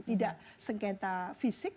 tidak sengketa fisik